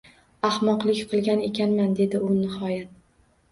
— Ahmoqlik qilgan ekanman, — dedi u nihoyat. —